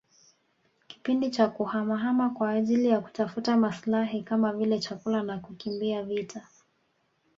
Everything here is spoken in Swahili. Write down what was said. kipindi cha kuhamahama kwa ajili ya kutafuta maslahi kama vile chakula na kukimbia vita